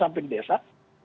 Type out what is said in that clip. sampai di desa